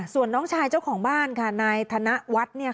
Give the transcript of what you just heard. ส่วนน้องชายเจ้าของบ้านค่ะนายธนวัฒน์